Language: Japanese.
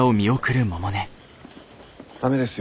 駄目ですよ